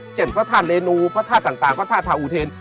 พระธาตุเรนูพระธาตุต่างพระธาตุทาอุเทน